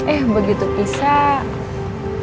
eh begitu pisah